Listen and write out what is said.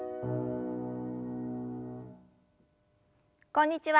こんにちは